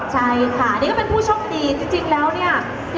ใช่ค่ะนี่ก็เป็นผู้โชคดีจริงแล้วเนี่ย